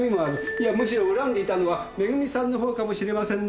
いやむしろ恨んでいたのは恵さんのほうかもしれませんね。